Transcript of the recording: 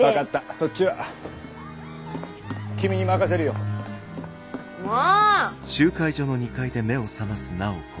そっちは君に任せるよ。もォ！